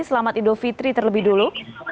selamat idul fitri terlebih dulu